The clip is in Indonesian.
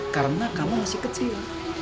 karena kamu masih kecil